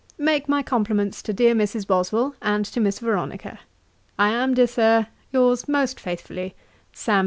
Make my compliments to dear Mrs. Boswell, and to Miss Veronica. 'I am, dear Sir, 'Yours most faithfully, 'SAM.